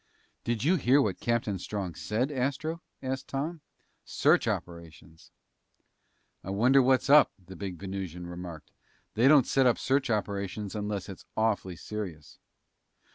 "Did you hear what Captain Strong said, Astro?" asked Tom. "Search operations." "I wonder what's up," the big Venusian remarked. "They don't set up search operations unless it's awfully serious!"